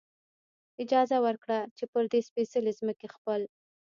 اجازه ورکړه، چې پر دې سپېڅلې ځمکې خپل.